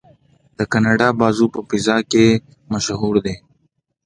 د کاناډا بازو په فضا کې مشهور دی.